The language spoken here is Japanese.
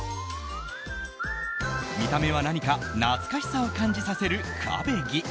見た目は何か懐かしさを感じさせるクァベギ。